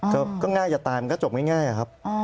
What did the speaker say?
ก็ง่ายจะตายมันก็จบง่ายครับ